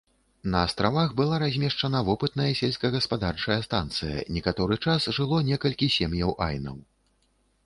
На астравах была размешчана вопытная сельскагаспадарчая станцыя, некаторы час жыло некалькі сем'яў айнаў.